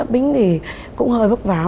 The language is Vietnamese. bính thì cũng hơi vất vả